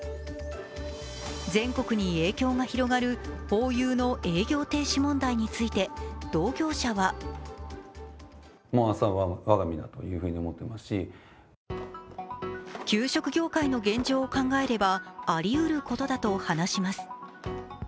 全国に影響が広がるホーユーの営業停止問題について同業者は給食業界の現状を考えればありうることだと話します。